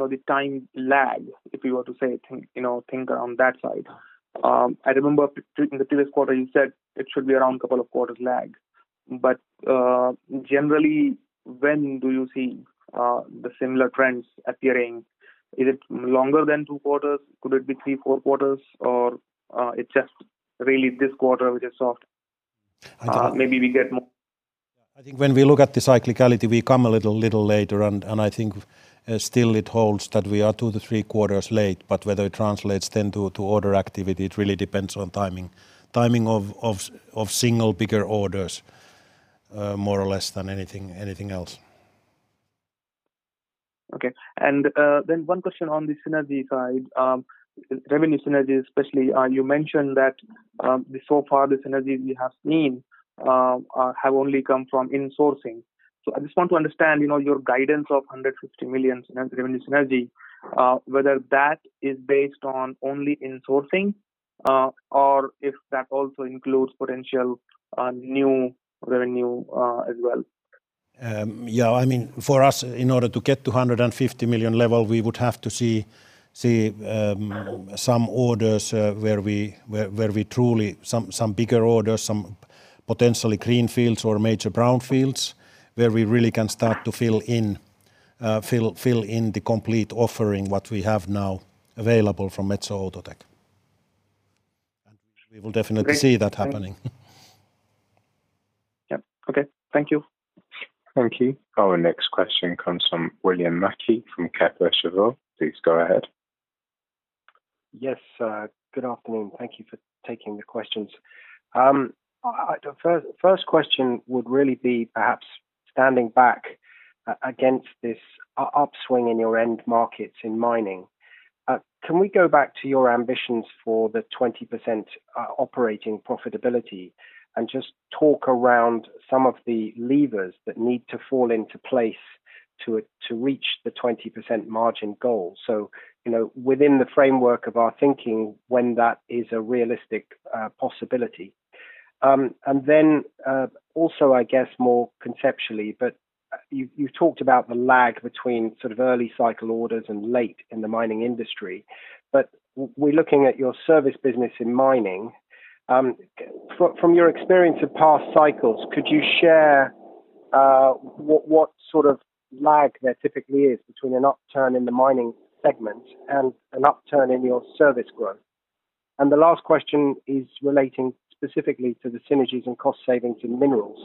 of the time lag, if you were to think around that side, I remember in the previous quarter you said it should be around couple of quarters lag. Generally, when do you see the similar trends appearing? Is it longer than two quarters? Could it be three, four quarters? Or it's just really this quarter which is soft? Maybe we get more? I think when we look at the cyclicality, we come a little later. I think still it holds that we are two to three quarters late. Whether it translates then to order activity, it really depends on timing of single bigger orders more or less than anything else. Okay. One question on the synergy side, revenue synergies especially. You mentioned that so far the synergies we have seen have only come from insourcing. I just want to understand your guidance of 150 million revenue synergy, whether that is based on only insourcing or if that also includes potential new revenue as well. Yeah. For us, in order to get to 150 million level, we would have to see some orders, some bigger orders, some potentially green fields or major brown fields where we really can start to fill in the complete offering what we have now available from Metso Outotec. We will definitely see that happening. Yeah, okay. Thank you. Thank you. Our next question comes from William Mackie from Kepler Cheuvreux. Please go ahead. Yes, good afternoon. Thank you for taking the questions. First question would really be perhaps standing back against this upswing in your end markets in mining. Can we go back to your ambitions for the 20% operating profitability and just talk around some of the levers that need to fall into place to reach the 20% margin goal? Then also I guess more conceptually, you've talked about the lag between early cycle orders and late in the mining industry. We're looking at your service business in mining. From your experience of past cycles, could you share what sort of lag there typically is between an upturn in the mining segment and an upturn in your service growth? The last question is relating specifically to the synergies and cost savings in minerals.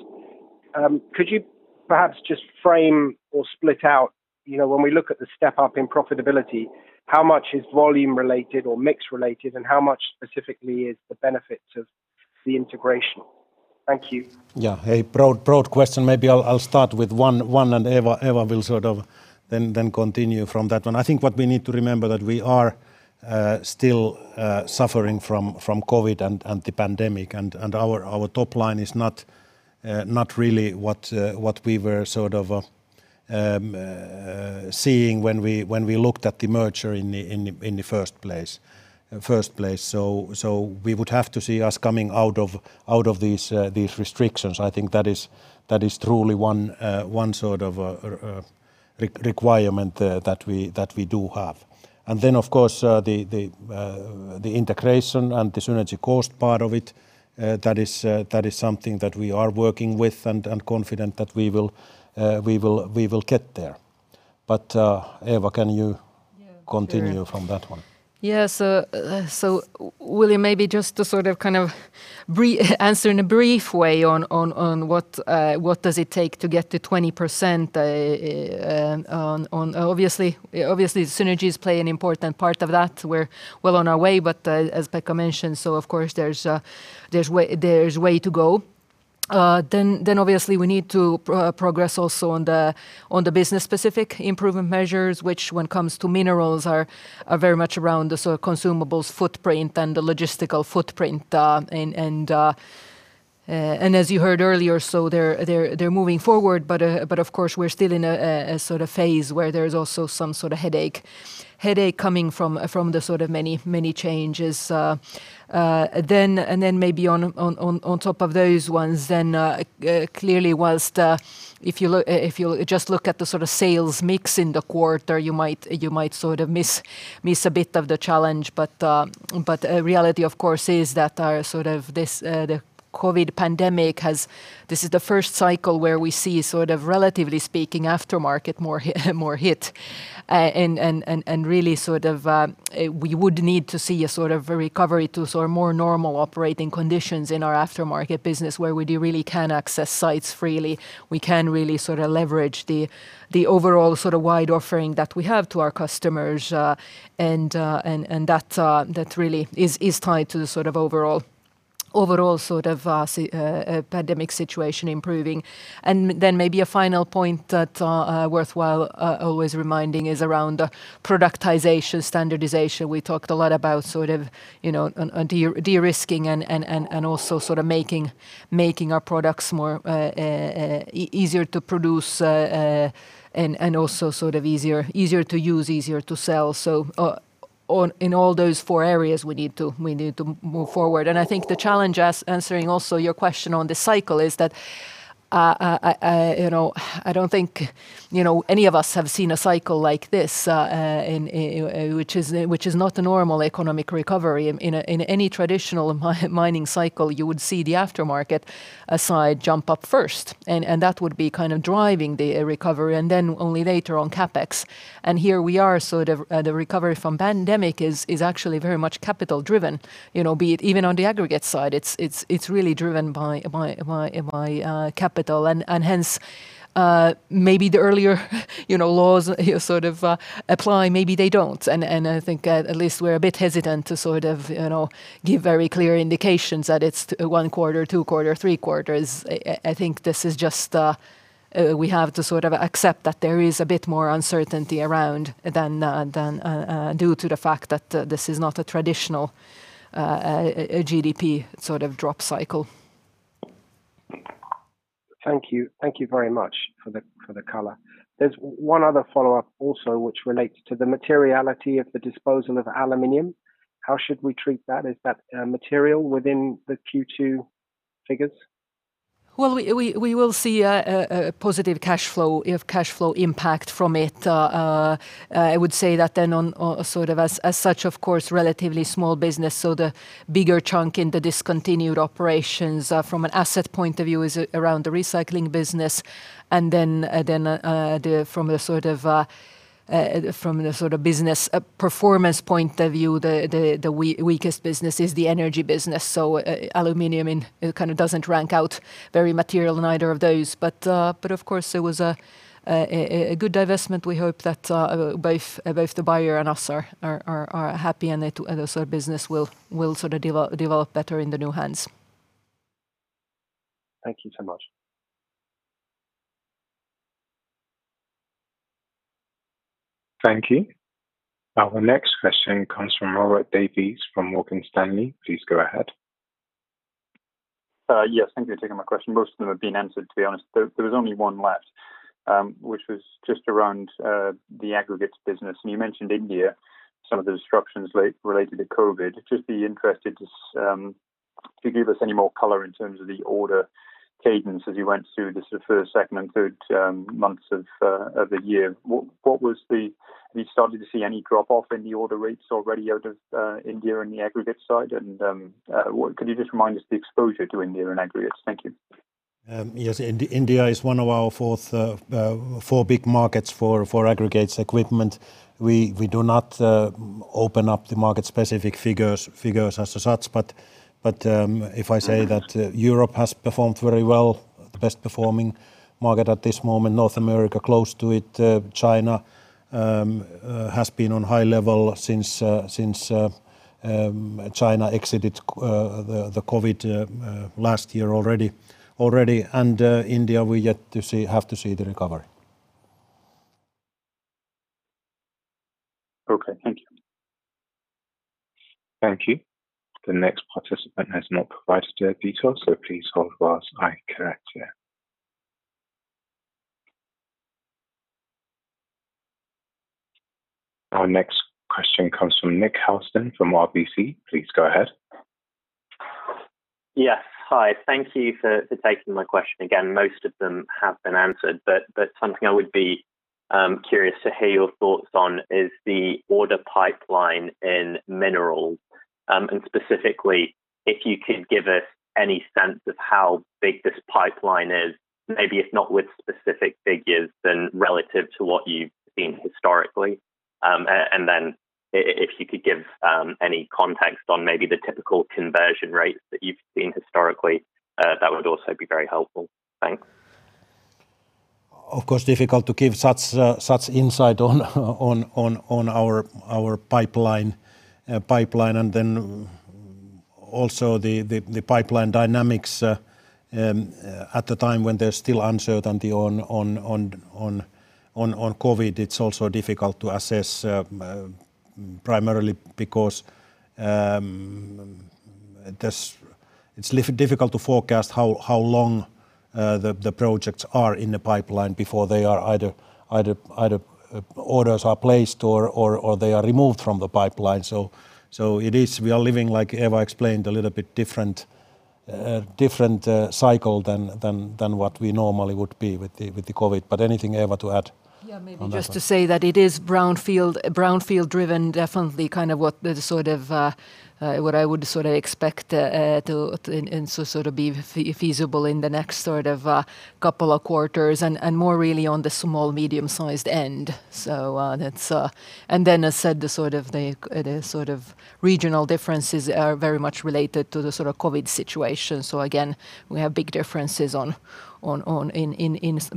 Could you perhaps just frame or split out, when we look at the step up in profitability, how much is volume related or mix related, and how much specifically is the benefits of the integration? Thank you. Yeah. A broad question. Maybe I'll start with one, and Eeva will then continue from that one. I think what we need to remember, that we are still suffering from COVID and the pandemic, and our top line is not really what we were seeing when we looked at the merger in the first place. We would have to see us coming out of these restrictions. I think that is truly one requirement that we do have. Of course, the integration and the synergy cost part of it, that is something that we are working with and confident that we will get there. Eeva, can you continue from that one? Yes. William, maybe just to kind of answer in a brief way on what does it take to get to 20%. Obviously, synergies play an important part of that. We're well on our way, but as Pekka mentioned, so of course there's way to go. Obviously we need to progress also on the business specific improvement measures, which when comes to minerals, are very much around the consumables footprint and the logistical footprint. As you heard earlier, so they're moving forward, but of course, we're still in a phase where there's also some sort of headache coming from the many changes. Maybe on top of those ones, then clearly whilst if you just look at the sales mix in the quarter, you might miss a bit of the challenge. Reality, of course, is that the COVID-19 pandemic, this is the first cycle where we see, relatively speaking, aftermarket more hit. Really, we would need to see a recovery to more normal operating conditions in our aftermarket business, where we really can access sites freely, we can really leverage the overall wide offering that we have to our customers. That really is tied to the overall pandemic situation improving. Then maybe a final point that worthwhile always reminding is around productization, standardization. We talked a lot about de-risking and also making our products easier to produce, and also easier to use, easier to sell. In all those four areas, we need to move forward. I think the challenge, answering also your question on the cycle, is that I don't think any of us have seen a cycle like this, which is not a normal economic recovery. In any traditional mining cycle, you would see the aftermarket side jump up first, and that would be kind of driving the recovery, then only later on CapEx. Here we are, the recovery from pandemic is actually very much capital driven. Be it even on the aggregate side, it's really driven by capital, and hence maybe the earlier laws apply, maybe they don't. I think at least we're a bit hesitant to give very clear indications that it's one quarter, two quarter, three quarters. I think we have to accept that there is a bit more uncertainty around due to the fact that this is not a traditional GDP drop cycle. Thank you. Thank you very much for the color. There is one other follow-up also, which relates to the materiality of the disposal of aluminum. How should we treat that? Is that material within the Q2 figures? We will see a positive cash flow impact from it. I would say that then on, as such, of course, relatively small business, so the bigger chunk in the discontinued operations from an asset point of view is around the recycling business. From the business performance point of view, the weakest business is the energy business. Aluminum doesn't rank out very material in either of those. Of course, it was a good divestment. We hope that both the buyer and us are happy and that business will develop better in the new hands. Thank you so much. Thank you. Our next question comes from Robert Davies from Morgan Stanley. Please go ahead. Yes. Thank you for taking my question. Most of them have been answered, to be honest. There was only one left, which was just around the aggregates business. You mentioned India, some of the disruptions related to COVID-19. Just be interested to give us any more color in terms of the order cadence as you went through the first, second, and third months of the year. Have you started to see any drop-off in the order rates already out of India in the aggregates side? Could you just remind us the exposure to India and aggregates? Thank you. Yes, India is one of our four big markets for aggregates equipment. We do not open up the market-specific figures as such, but if I say that Europe has performed very well, the best performing market at this moment, North America close to it, China has been on high level since China exited the COVID-19 last year already. India, we yet have to see the recovery. Okay, thank you. Thank you. The next participant has not provided their details, so please hold while I connect you. Our next question comes from Nick Housden from RBC. Please go ahead. Yes, hi. Thank you for taking my question again. Most of them have been answered, but something I would be curious to hear your thoughts on is the order pipeline in minerals. Specifically, if you could give us any sense of how big this pipeline is, maybe if not with specific figures, then relative to what you've seen historically. Then if you could give any context on maybe the typical conversion rates that you've seen historically, that would also be very helpful. Thanks. Of course, difficult to give such insight on our pipeline. The pipeline dynamics at the time when there's still uncertainty on COVID, it's also difficult to assess, primarily because it's difficult to forecast how long the projects are in the pipeline before either orders are placed or they are removed from the pipeline. We are living, like Eeva explained, a little bit different cycle than what we normally would be with the COVID. Anything, Eeva, to add on that one? Yeah, maybe just to say that it is brownfield driven, definitely what I would expect to be feasible in the next couple of quarters, and more really on the small, medium-sized end. Then as said, the regional differences are very much related to the COVID situation. Again, we have big differences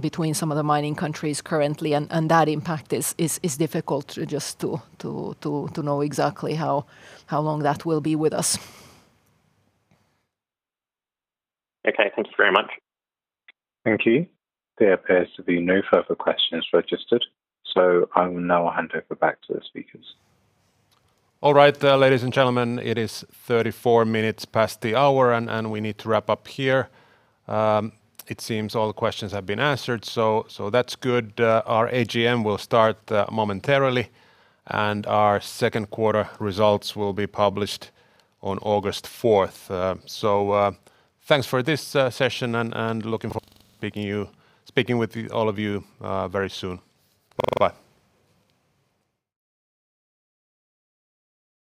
between some of the mining countries currently, and that impact is difficult just to know exactly how long that will be with us. Okay, thank you very much. Thank you. There appears to be no further questions registered. I will now hand over back to the speakers. All right, ladies and gentlemen, it is 34 minutes past the hour. We need to wrap up here. It seems all the questions have been answered. That's good. Our AGM will start momentarily. Our second quarter results will be published on August 4th. Thanks for this session. Looking forward to speaking with all of you very soon. Bye.